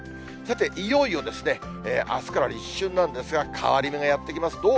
さて、いよいよ、あすから立春なんですが、変わり目がやって来ます。